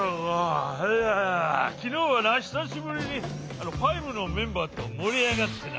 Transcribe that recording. いやきのうはなひさしぶりにファイブのメンバーともりあがってな。